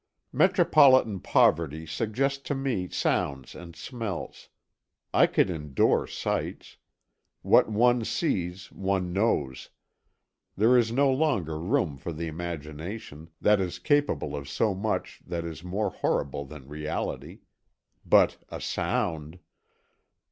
Metropolitan poverty suggests to me sounds and smells. I could endure sights. What one sees, one knows. There is no longer room for the imagination that is capable of so much that is more horrible than reality. But a sound!